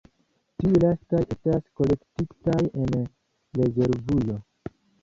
Tiuj lastaj estas kolektitaj en rezervujo.